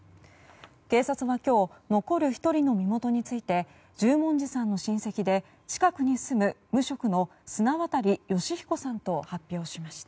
警察が今日残る１人の身元について十文字さんの親戚で近くに住む無職の砂渡好彦さんと発表しました。